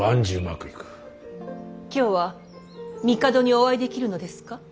今日は帝にお会いできるのですか。